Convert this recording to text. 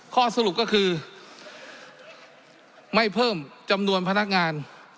ข้อสรุปก็คือไม่เพิ่มจำนวนพนักงาน